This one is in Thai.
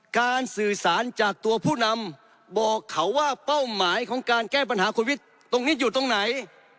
สื่อสารจากตัวผู้นำบอกเขาว่าเป้าหมายของการแก้ปัญหาคุณวิทย์ตรงนี้อยู่ตรงไหน